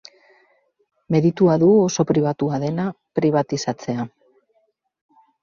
Meritua du oso pribatua dena pribatizatzea.